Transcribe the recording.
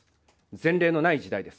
前例のない時代です。